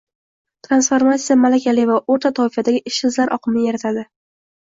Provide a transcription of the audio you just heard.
Transformatsiya malakali va o'rta toifadagi ishsizlar oqimini yaratadi